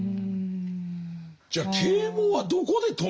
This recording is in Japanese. じゃ啓蒙はどこで止める？